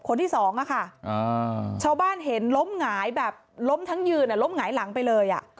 คนที่สองอะค่ะชาวบ้านเห็นล้มหงายแบบล้มทั้งยืนล้มหงายหลังไปเลย